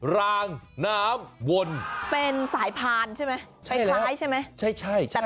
รางน้ำวนเป็นสายพานใช่ไหมใช่แล้วคล้ายใช่ไหมใช่ใช่